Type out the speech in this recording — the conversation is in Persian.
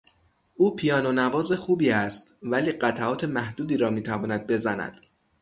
او پیانو نواز خوبی است ولی قطعات محدودی را میتواند بزند.